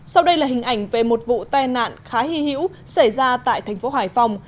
sau đây là hình ảnh về một vụ tai nạn khá hy hữu xảy ra tại thành phố hải phòng